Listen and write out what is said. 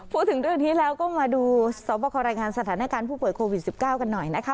พูดถึงเรื่องนี้แล้วก็มาดูสวบคอรายงานสถานการณ์ผู้ป่วยโควิด๑๙กันหน่อยนะคะ